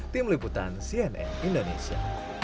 tim liputan cnn indonesia